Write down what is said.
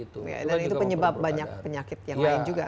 itu kan juga penyebab banyak penyakit yang lain juga kan